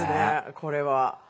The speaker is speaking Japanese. これは。